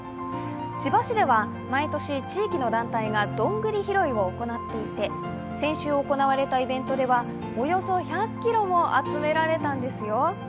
千葉市では毎年、地域の団体がどんぐり拾いを行っていて先週行われたイベントではおよそ１００ｋｇも集められたんですよ。